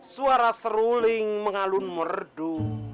suara seruling mengalun merdu